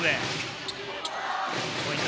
ポイント